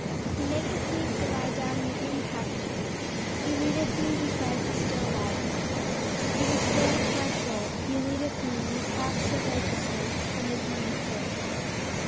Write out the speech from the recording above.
2┬ĀHe maketh me to lie down in green pastures: he leadeth me beside the still waters. 3┬ĀHe restoreth my soul: he leadeth me in the paths of righteousness for his name's sake.